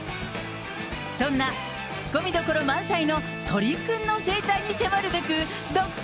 そんなツッコミどころ満載の、鳥くんの生態に迫るべく、独占